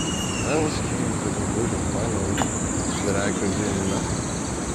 I always came to the conclusion, finally, that I could do nothing.